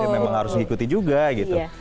memang harus mengikuti juga gitu